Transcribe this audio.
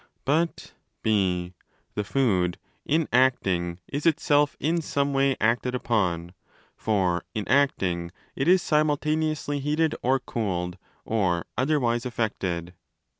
But (ὁ) the food, in acting, is itself in some way acted upon: for, in acting, it is simultaneously heated or cooled or otherwise affected.